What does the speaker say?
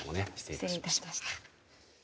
失礼いたしました。